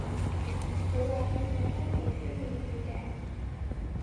佢話想寫返做書面語嘅？